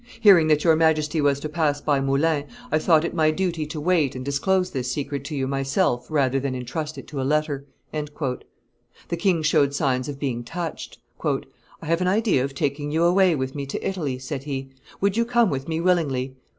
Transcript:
Hearing that your Majesty was to pass by Moulins, I thought it my duty to wait and disclose this secret to you myself rather than intrust it to a letter." The king showed signs of being touched. "I have an idea of taking you away with me to Italy," said he: "would you come with me willingly?"